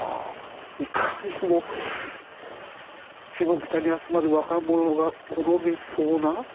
いかにもシモキタに集まる若者が好みそうな。